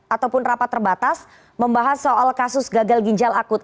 ataupun rapat terbatas membahas soal kasus gagal ginjal akut